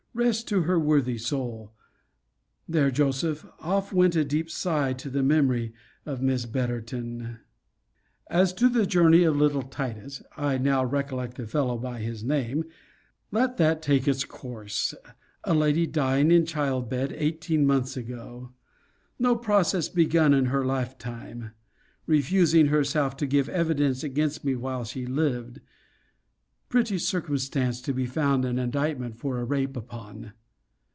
Rest to her worthy soul! There, Joseph, off went a deep sigh to the memory of Miss Betterton! As to the journey of little Titus, (I now recollect the fellow by his name) let that take its course: a lady dying in childbed eighteen months ago; no process begun in her life time; refusing herself to give evidence against me while she lived pretty circumstances to found an indictment for a rape upon!